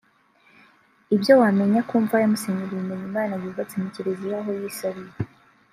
Ibyo wamenya ku mva ya Musenyeri Bimenyimana yubatse mu Kiliziya aho yisabiye